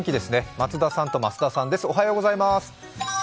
増田さんと松田さんです。